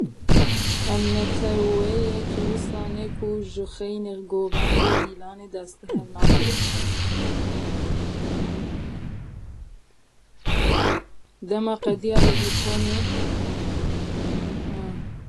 Em neteweyek wisa ne ku, ji xeynî govend û dîlanê destê hev nagirin.